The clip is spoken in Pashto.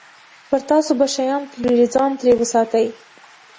پر تاسو به شیان پلوري، ځان ترې وساتئ.